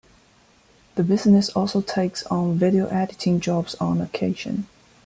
The business also takes on Video Editing jobs on occasion.